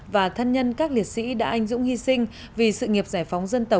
và thân nhân các liệt sĩ đã anh dũng hy sinh